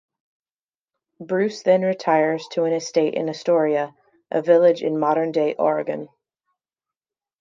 Bruce then retires to an estate in Astoria, a village in modern-day Oregon.